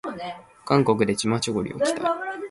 韓国でチマチョゴリを着たい